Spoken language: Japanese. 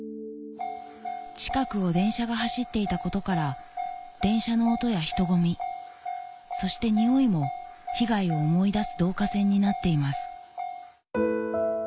近くを電車が走っていたことから電車の音や人混みそしてにおいも被害を思い出す導火線になっています